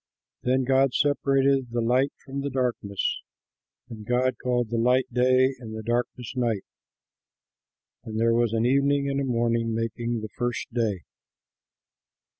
Then God separated the light from the darkness. And God called the light Day and the darkness Night. And there was an evening and a morning, making the first day.